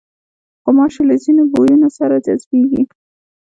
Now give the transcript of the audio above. غوماشې له ځینو بویونو سره جذبېږي.